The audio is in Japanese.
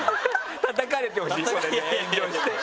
叩かれてほしいそれで炎上して。